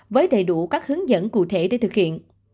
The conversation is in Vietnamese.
với đầy đủ các hướng dẫn cụ thể để thực hiện